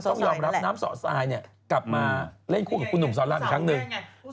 ต้องยอมรับน้ำสอทรายกลับมาเล่นคู่กับคุณหนุ่มสอนรามอีกครั้งหนึ่ง